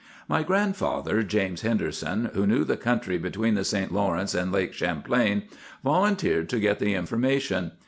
"My grandfather, James Henderson, who knew the country between the St. Lawrence and Lake Champlain, volunteered to get the information.